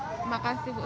terima kasih bu